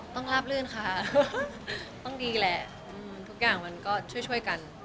ราบลื่นค่ะต้องดีแหละทุกอย่างมันก็ช่วยกัน